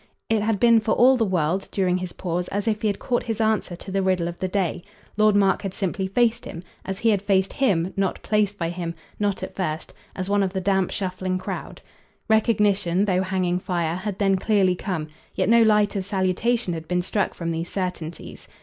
It had been for all the world, during his pause, as if he had caught his answer to the riddle of the day. Lord Mark had simply faced him as he had faced HIM, not placed by him, not at first as one of the damp shuffling crowd. Recognition, though hanging fire, had then clearly come; yet no light of salutation had been struck from these certainties.